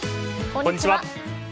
こんにちは。